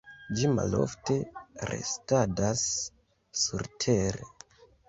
Ĝi malofte restadas surtere.